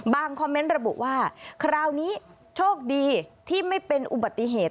คอมเมนต์ระบุว่าคราวนี้โชคดีที่ไม่เป็นอุบัติเหตุ